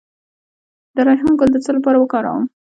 د ریحان ګل د څه لپاره وکاروم؟